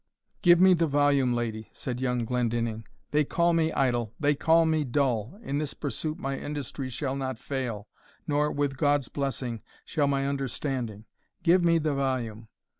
"Give me the volume, Lady," said young Glendinning. "They call me idle they call me dull in this pursuit my industry shall not fail, nor, with God's blessing, shall my understanding. Give me the volume."